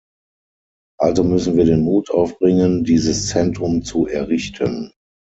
Also müssen wir den Mut aufbringen, dieses Zentrum zu errichten.